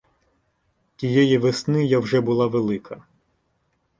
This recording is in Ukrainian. Тієї весни я вже була велика.